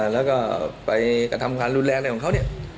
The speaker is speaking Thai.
แล้วก็ไปกระทำความรุนแรงอะไรของเขาเนี่ย